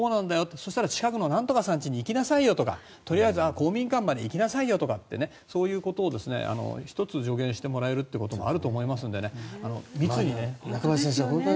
そしたら近くのなんとかさんちに行きなさいよとか公民館まで行きなさいよとかそういうことを１つ助言してもらえることもあると思いますので中林先生